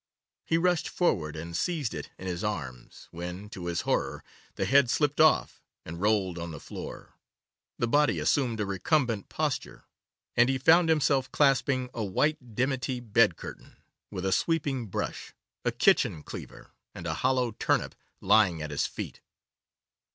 He rushed forward and seized it in his arms, when, to his horror, the head slipped off and rolled on the floor, the body assumed a recumbent posture, and he found himself clasping a white dimity bed curtain, with a sweeping brush, a kitchen cleaver, and a hollow turnip lying at his feet!